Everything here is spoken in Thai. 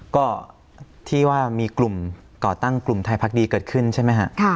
ก็ที่ว่ามีกลุ่มก่อตั้งกลุ่มไทยพักดีเกิดขึ้นใช่ไหมฮะ